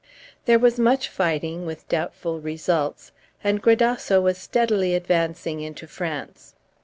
There was much fighting, with doubtful results, and Gradasso was steadily advancing into France.